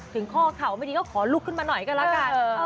ถึงข้อเข่าไม่ดีก็ขอลุกขึ้นมาหน่อยก็แล้วกัน